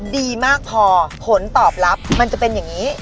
ดีมากพอผลตอบรับมันจะเป็นอย่างนี้